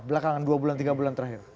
belakangan dua bulan tiga bulan terakhir